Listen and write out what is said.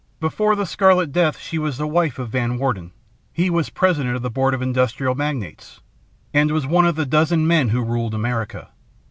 Before the Scarlet Death she was the wife of Van Worden. He was President of the Board of Industrial Magnates, and was one of the dozen men who ruled America.